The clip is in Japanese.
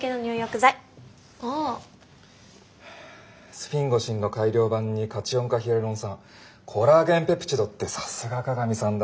スフィンゴシンの改良版にカチオン化ヒアルロン酸コラーゲンペプチドってさすが鏡さんだな。